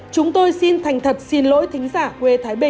chúng tôi xin thành thật xin lỗi thính giả quý vị